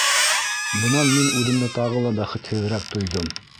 Бынан мин үҙемде тағы ла бәхетһеҙерәк тойҙом.